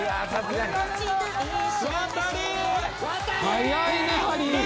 速いねハリー。